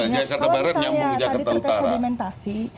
jika saya tadi terkena sedimentasi